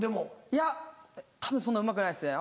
いやたぶんそんなうまくないですね。